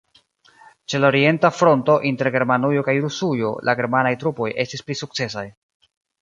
Ĉe la orienta fronto, inter Germanujo kaj Rusujo, la germanaj trupoj estis pli sukcesaj.